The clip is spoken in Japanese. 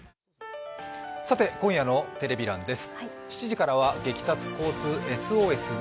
今夜のテレビ欄です。